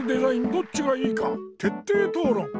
どっちがいいかてっていとうろん！